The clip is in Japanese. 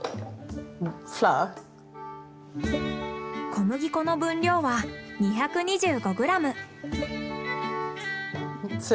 小麦粉の分量は２２５ｇ。